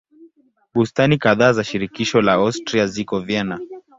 Bustani kadhaa za shirikisho la Austria ziko Vienna.